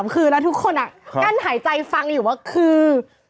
คือคือคือ